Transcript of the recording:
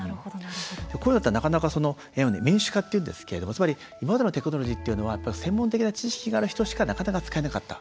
こういうのって民主化って言うんですけれどもつまり、今までのテクノロジーっていうのは専門的な知識がある人しかなかなか使えなかった。